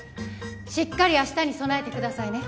しっかり明日に備えてくださいね